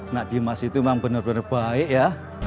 nah dimas itu memang bener bener baik ya